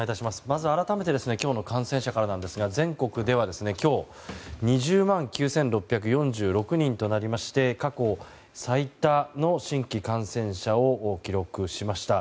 まず改めて今日の感染者からなんですが全国では、今日２０万９６４６人となりまして過去最多の新規感染者を記録しました。